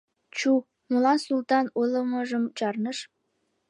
Чу, молан Султан ойлымыжым чарныш?